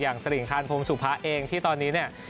อย่างสริงคานพรมสุภะเองที่ตอนนี้เนี่ย